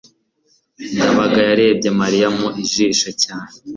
ndabaga yarebye mariya mu jisho cyane